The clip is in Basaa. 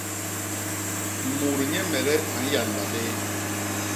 Mut nyemede a nyanba bé.